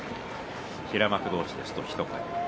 平幕同士ですと一声